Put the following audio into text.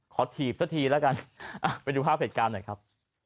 ถีบซะทีแล้วกันไปดูภาพเหตุการณ์หน่อยครับ